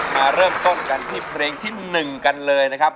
มาเริ่มต้นกันที่เพลงที่๑กันเลยนะครับ